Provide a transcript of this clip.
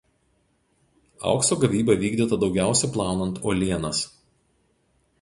Aukso gavyba vykdyta daugiausia plaunant uolienas.